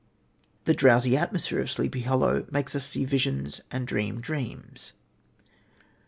The drowsy atmosphere of Sleepy Hollow makes us see visions and dream dreams.